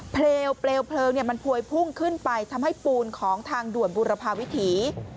เปลวเพลิงมันพวยพุ่งขึ้นไปทำให้ปูนของทางด่วนบุรพาวิถี